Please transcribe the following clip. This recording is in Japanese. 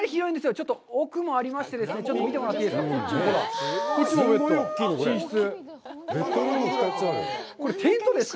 ちょっと奥もありましてですね、ちょっと見てもらっていいですか。